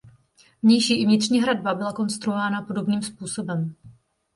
Vnější i vnitřní hradba byla konstruována podobným způsobem.